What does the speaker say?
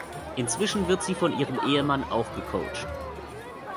Inzwischen wird sie von ihrem Ehemann auch gecoacht.